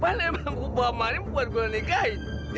bagaimana emang gue bawa maria buat gue nikah itu